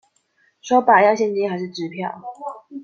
說吧，要現金還是支票？